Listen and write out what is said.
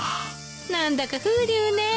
何だか風流ねえ。